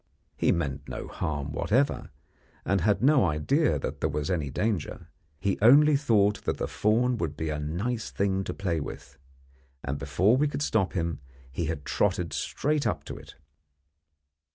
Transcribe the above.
He meant no harm whatever, and had no idea that there was any danger. He only thought the fawn would be a nice thing to play with; and before we could stop him he had trotted straight up to it.